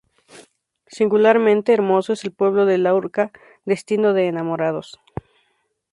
Singularmente hermoso es el pueblo de Luarca, destino de enamorados.